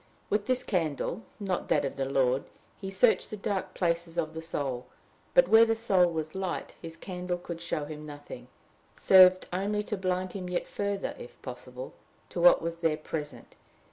With this candle, not that of the Lord, he searched the dark places of the soul; but, where the soul was light, his candle could show him nothing served only to blind him yet further, if possible, to what was there present.